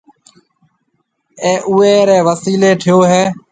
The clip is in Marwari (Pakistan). اَي اُوئي رَي وسيلَي ٺهيو هيَ۔